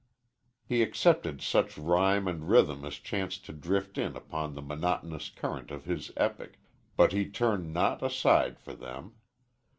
He accepted such rhyme and rhythm as chanced to drift in upon the monotonous current of his epic; but he turned not aside for them.